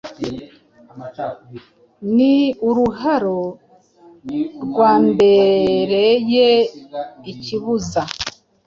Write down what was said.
Ni uruharo rwambereye ikibuza,